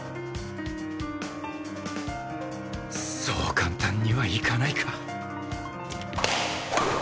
そう簡単にはいかないか